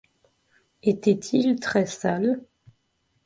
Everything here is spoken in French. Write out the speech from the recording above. Étaient-ils très sales?